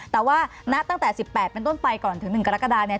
แต่ว่าณตั้งแต่๑๘เป็นต้นไปก่อนถึง๑กรกฎาเนี่ย